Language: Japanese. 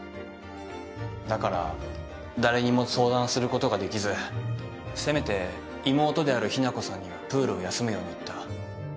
だから誰にも相談することができずせめて妹である日奈子さんにはプールを休むように言った。